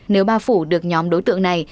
nếu bà phủ được nhóm đối tượng này